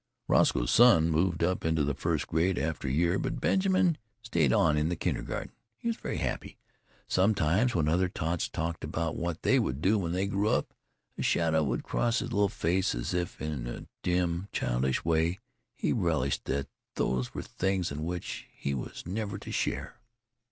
Roscoe's son moved up into the first grade after a year, but Benjamin stayed on in the kindergarten. He was very happy. Sometimes when other tots talked about what they would do when they grew up a shadow would cross his little face as if in a dim, childish way he realised that those were things in which he was never to share.